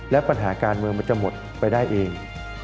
และปัญหาการเมืองมันจะหมดไปได้เอง